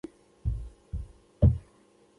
ایا زه باید د ویټامین سي ټسټ وکړم؟